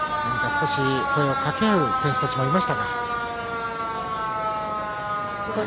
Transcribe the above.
少し声をかけ合う選手もいました。